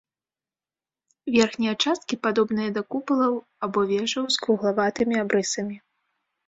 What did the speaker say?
Верхнія часткі падобныя да купалаў або вежаў з круглаватымі абрысамі.